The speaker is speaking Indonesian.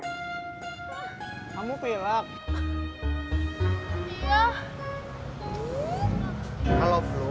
di pangkalan ntar kau ada penumpang bawa bawa